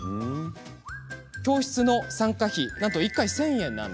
教室の参加費なんと１回１０００円。